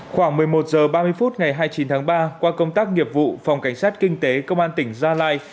khoảng một mươi một h ba mươi phút ngày hai mươi chín tháng ba qua công tác nghiệp vụ phòng cảnh sát kinh tế công an tỉnh gia lai